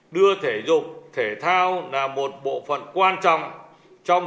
đưa thể dục thể thao là một bộ phận quan trọng trong